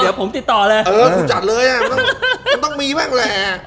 โหสุธาเลยมันต้องมีแปลงแหละ